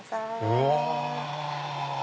うわ！